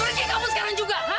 pergi kamu sekarang juga